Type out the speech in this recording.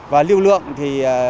và lưu lượng thì